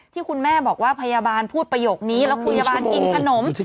ที่คุณแม่บอกว่าพยาบาลพูดประโยคนี้แล้วพยาบาลกินขนม